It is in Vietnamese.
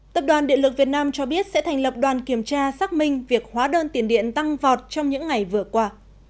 tập đoàn điện lực việt nam cho biết sẽ thành lập đoàn kiểm tra xác minh việc hóa đơn tiền điện tăng vọt trong những ngày vừa qua